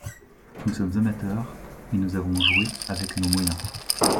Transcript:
Nous sommes amateurs et nous avons joué avec nos moyens.